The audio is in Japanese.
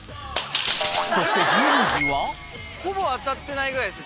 そして神宮寺はほぼ当たってないぐらいです